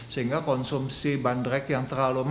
sehingga konsumsi banderik yang terlalu banyak